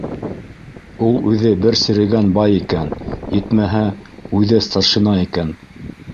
Ул үҙе бер серегән бай икән, етмәһә, үҙе старшина икән.